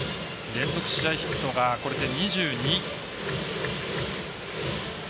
連続試合ヒットが、これで２２。